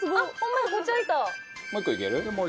もう１個いける！